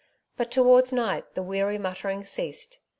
But towards night the weary mut tering ceased.